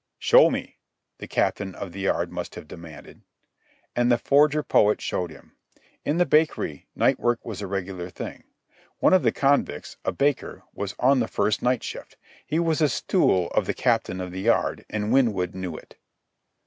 "Show me," the Captain of the Yard must have demanded. And the forger poet showed him. In the Bakery, night work was a regular thing. One of the convicts, a baker, was on the first night shift. He was a stool of the Captain of the Yard, and Winwood knew it.